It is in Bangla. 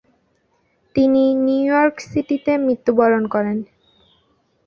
তিনি নিউ ইয়র্ক সিটিতে মৃত্যুবরণ করেন।